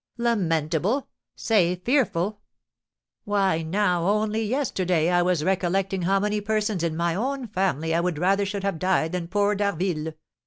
"Lamentable! Say fearful. Why, now, only yesterday, I was recollecting how many persons in my own family I would rather should have died than poor D'Harville.